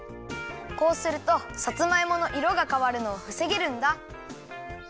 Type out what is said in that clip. こうするとさつまいものいろがかわるのをふせげるんだ。